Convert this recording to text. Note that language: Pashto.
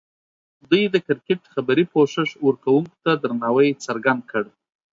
دوی د کرکټ خبري پوښښ ورکوونکو ته درناوی څرګند کړ.